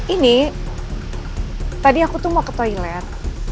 ini tadi aku tuh mau ke toilet